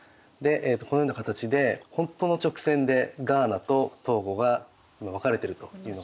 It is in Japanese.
このような形で本当の直線でガーナとトーゴが分かれているというのが。